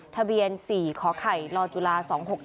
ทะเบียน๔ขอไข่ลจุฬา๒๖๗